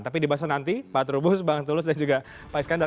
tapi dibahas nanti pak trubus bang tulus dan juga pak iskandar